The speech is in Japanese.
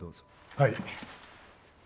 はい。